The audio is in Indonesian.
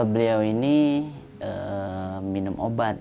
beliau ini minum obat